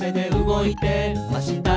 「動いてました」